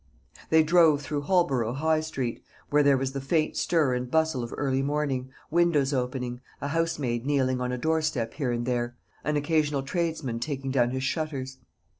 They drove through Holborough High Street, where there was the faint stir and bustle of early morning, windows opening, a housemaid kneeling on a doorstep here and there, an occasional tradesman taking down his shutters.